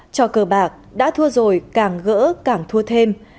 trò cờ bạc đã thua rồi càng gỡ càng thua thêm